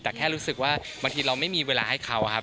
แต่แค่รู้สึกว่าบางทีเราไม่มีเวลาให้เขาครับ